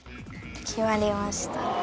決まりました。